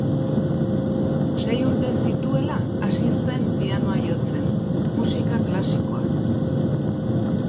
Sei urte zituela hasi zen pianoa jotzen, musika klasikoa.